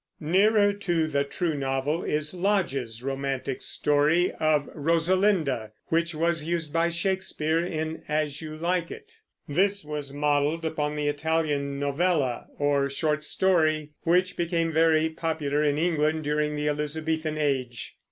Nearer to the true novel is Lodge's romantic story of Rosalynde, which was used by Shakespeare in As You Like It. This was modeled upon the Italian novella, or short story, which became very popular in England during the Elizabethan Age.